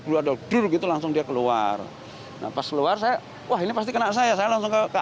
berduduk itu langsung dia keluar nah pas luar saya wah ini pasti kena saya saya langsung ke